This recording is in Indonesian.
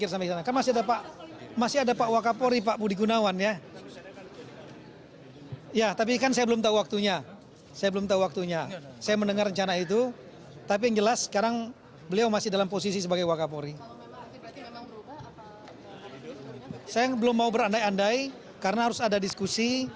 saya belum tahu berandai andai karena harus ada diskusi